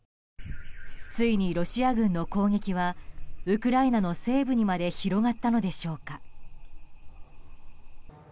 ついにロシア軍の攻撃はウクライナの西部にまで広がったのでしょうか。